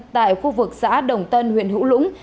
tại khu vực xã đồng tân huyện hữu lũng